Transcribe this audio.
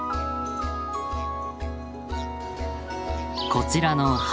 こちらの鼻